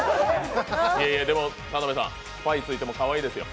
でも、田辺さん、パイついてもかわいいですよ。